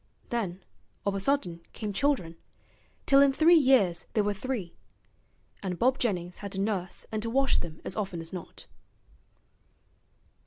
Then of a sudden came children, till in three years there were three; and Bob Jennings had to nurse and to wash them as often as not.